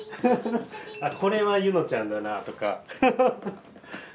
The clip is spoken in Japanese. これはゆのちゃんだなとか。